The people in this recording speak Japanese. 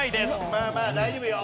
まあまあ大丈夫よ。